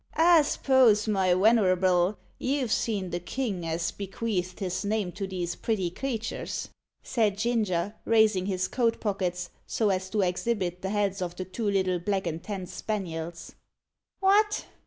"I s'pose, my wenerable, you've seen the king as bequeathed his name to these pretty creaters," said Ginger, raising his coat pockets, so as to exhibit the heads of the two little black and tan spaniels. "What!